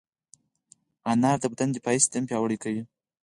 انار د بدن دفاعي سیستم پیاوړی کوي.